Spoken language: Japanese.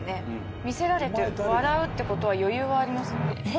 見せられて笑うってことは余裕はありますよね。